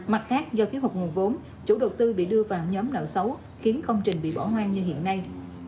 mặt khác do thiếu hụt nguồn vốn chủ đầu tư bị đưa vào nhóm nợ xấu khiến công trình bị bỏ hoang như hiện nay